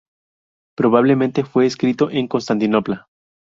Probablemente fue escrito en Constantinopla.